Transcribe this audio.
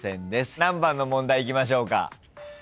何番の問題いきましょうか？